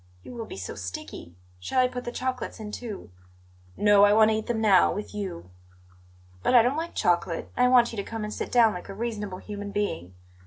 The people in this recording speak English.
You will be so sticky! Shall I put the chocolates in, too?" "No, I want to eat them now, with you." "But I don't like chocolate, and I want you to come and sit down like a reasonable human being.